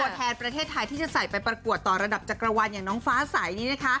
แทนประเทศไทยที่จะใส่ไปประกวดต่อระดับจักรวาลอย่างน้องฟ้าใส